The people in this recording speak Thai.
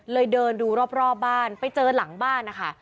เดินดูรอบบ้านไปเจอหลังบ้านนะคะ